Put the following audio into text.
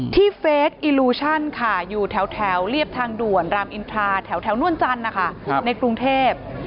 เฟสอิลูชั่นค่ะอยู่แถวเรียบทางด่วนรามอินทราแถวนวลจันทร์นะคะในกรุงเทพ